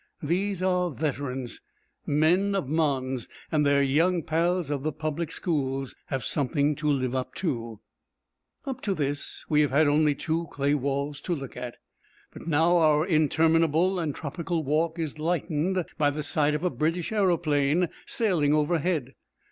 These are veterans, men of Mons, and their young pals of the public schools have something to live up to. Up to this we have only had two clay walls to look at. But now our interminable and tropical walk is lightened by the sight of a British aeroplane sailing overhead.